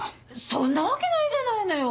そんなわけないじゃないのよ。